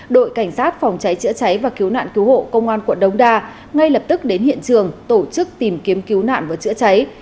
đội cảnh sát phòng cháy chữa cháy và cứu nạn cứu hộ công an quận đống đa ngay lập tức đến hiện trường tổ chức tìm kiếm cứu nạn và chữa cháy